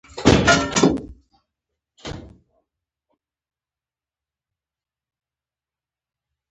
بیا سترګه په آی پیس ږدو او ټیوب پورته خواته وړو.